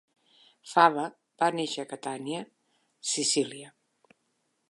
Fava va néixer a Catània, Sicília.